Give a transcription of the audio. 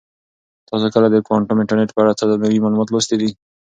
تاسو کله د کوانټم انټرنیټ په اړه څه نوي معلومات لوستي دي؟